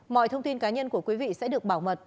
mọi thông tin cá nhân của quý vị sẽ được bảo mật